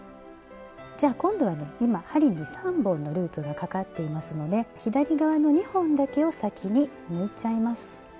じゃ今度はね今針に３本のループがかかっていますので左側の２本だけを先に抜いちゃいます。